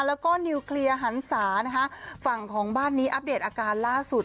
แล้วก็นิวเคลียร์หันศานะคะฝั่งของบ้านนี้อัปเดตอาการล่าสุด